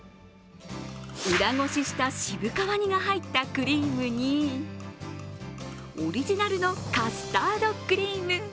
裏ごしした渋皮煮が入ったクリームにオリジナルのカスタードクリーム。